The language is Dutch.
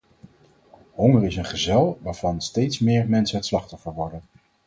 Honger is een gesel waarvan steeds meer mensen het slachtoffer worden.